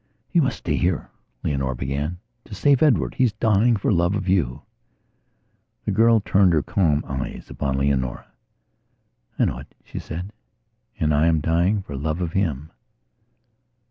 "You must stay here," Leonora began, "to save Edward. He's dying for love of you." The girl turned her calm eyes upon Leonora. "I know it," she said. "And I am dying for love of him."